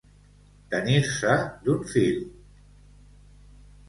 Tenir-se d'un fil.